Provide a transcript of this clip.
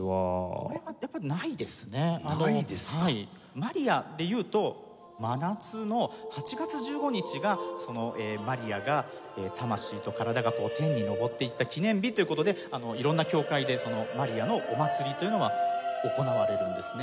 マリアでいうと真夏の８月１５日がマリアが魂と体が天に昇っていった記念日という事で色んな教会でマリアのお祭りというのが行われるんですね。